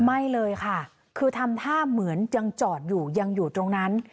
ไม่เลยค่ะคือทำท่าเหมือนยังจอดอยู่ยังอยู่ตรงนั้น